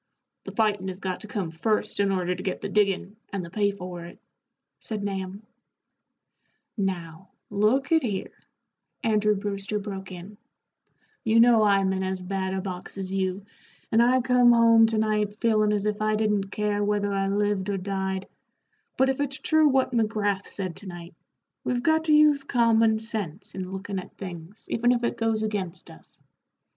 "The fightin' has got to come first in order to get the diggin', and the pay for it," said Nahum. "Now, look at here," Andrew Brewster broke in, "you know I'm in as bad a box as you, and I come home to night feelin' as if I didn't care whether I lived or died; but if it's true what McGrath said to night, we've got to use common sense in lookin' at things even if it goes against us.